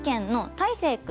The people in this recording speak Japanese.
たいせいくん。